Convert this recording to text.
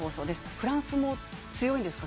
フランスも強いんですか？